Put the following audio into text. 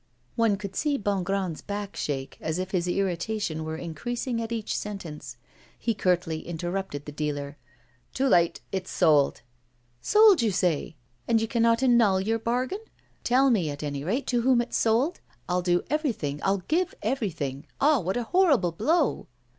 One could see Bongrand's back shake, as if his irritation were increasing at each sentence. He curtly interrupted the dealer. 'Too late; it's sold.' 'Sold, you say. And you cannot annul your bargain? Tell me, at any rate, to whom it's sold? I'll do everything, I'll give anything. Ah! What a horrible blow!